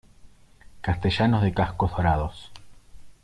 Castellanos de cascos dorados.